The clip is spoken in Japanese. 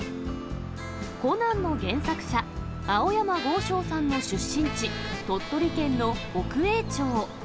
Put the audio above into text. コナンの原作者、青山剛昌さんの出身地、鳥取県の北栄町。